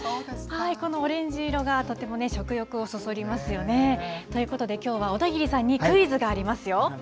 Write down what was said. このオレンジ色が、とても食欲をそそりますよね。ということで、きょうは小田切さんにクイズがありますよ。